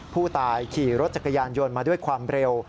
ผู้ตายขี่รถจักรยานยนต์มาด้วยความเร็ว